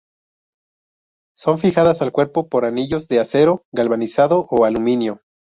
Son fijadas al cuerpo por anillos de acero galvanizado o aluminio.